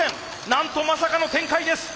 なんとまさかの展開です！